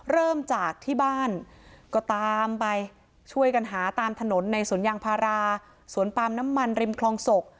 เริ่มจากที่บ้านก็ตามไปช่วยกันหาตามถนนในสวนยางพาราสวนปาล์มน้ำมันริมคลองศก